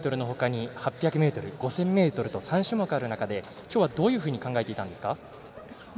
１５００ｍのほかに８００ｍ、５０００ｍと３種目ある中できょうはどういうふうに考えていたんですか？